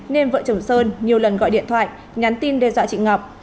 nên vợ chồng sơn nhiều lần gọi điện thoại nhắn tin đe dọa chị ngọc